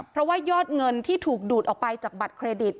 เพราะว่ายอดเงินที่ถูกดูดออกไปจากบัตรเครดิต